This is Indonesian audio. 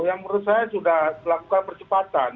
yang menurut saya sudah melakukan percepatan